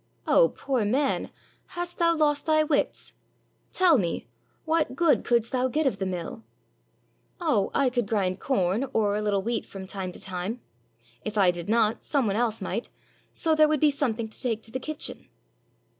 "Oh, poor man, hast thou lost thy wits? Tell me, what good couldst thou get of the mill?" "Oh, I could grind corn or a Httle wheat from time to time; if I did not, some one else might; so there would be something to take to the kitchen."